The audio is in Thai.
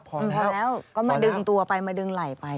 ก็มาดึงตัวไปมาดึงไหล่ไป